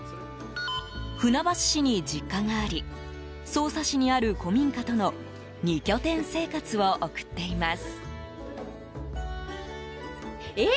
船橋市に実家があり匝瑳市にある古民家との２拠点生活を送っています。